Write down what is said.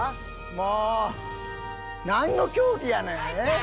もう何の競技やねんえっ